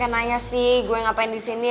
kok pake nanya sih gue ngapain di sini